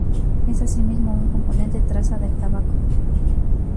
Es asimismo un componente traza del tabaco.